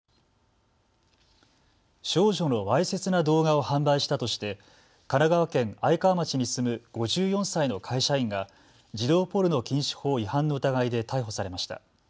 少女のわいせつな動画を販売したとして神奈川県愛川町に住む５４歳の会社員が児童ポルノ禁止法違反の疑いで逮捕されました。